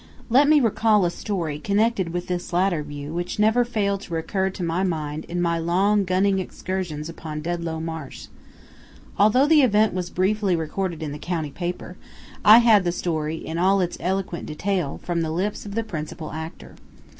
Let me recall a story connected with this latter view which never failed to recur to my mind in my long gunning excursions upon Dedlow Marsh. Although the event was briefly recorded in the county paper, I had the story, in all its eloquent detail, from the lips of the principal actor.